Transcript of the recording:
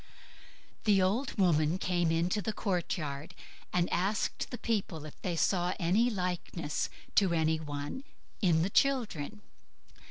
The old woman came into the courtyard, and asked the people if they saw any likeness to any one in the children.